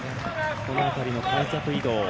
この辺りの開脚移動。